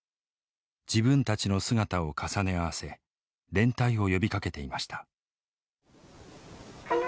自分たちの姿を重ね合わせ連帯を呼びかけていました。